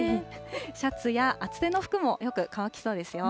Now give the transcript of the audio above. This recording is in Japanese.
シャツや厚手の服もよく乾きそうですよ。